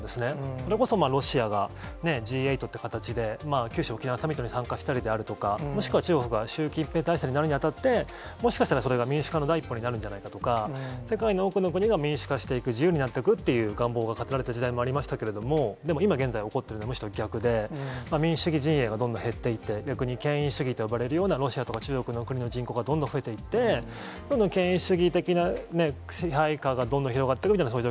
それこそロシアがＧ８って形で、九州・沖縄サミットに参加したりであるとか、もしくは中国が習近平体制になるにあたって、もしかしたら民主化の第一歩になるんじゃないかとか、世界の多くの国が民主化していく、自由になっていくという願望が語られた時代もありましたけれども、でも、今現在、起こってることはむしろ逆で、民主主義陣営がどんどん減っていって、逆に権威主義と呼ばれるような、ロシアとか中国とかの国の人口がどんどん増えていて、どんどん権威主義的なね、支配化がどんどん広がっていくというような、